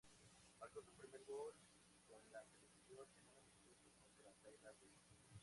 Marcó su primer gol con la selección en un amistoso contra Tailandia.